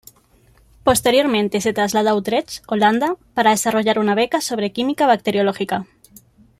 Posteriormente se trasladó a Utrecht, Holanda, para desarrollar una beca sobre Química Bacteriológica.